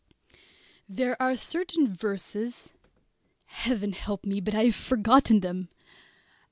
There are certain verses Heaven help me, but I have forgotten them!